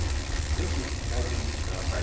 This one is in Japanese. ぜひ大事にしてください。